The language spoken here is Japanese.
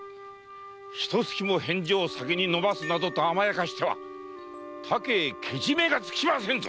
ひと月も返事を先に延ばすなどと甘やかしては他家へけじめがつきませんぞ！